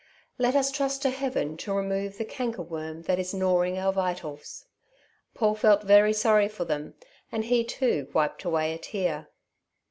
"Let us trust to Heaven to remove the cankerworm that is gnawing our vitals." Paul felt very sorry for them, and he, too, wiped away a tear.